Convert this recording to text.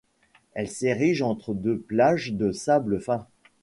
Elle s'érige entre deux plages de sable fin.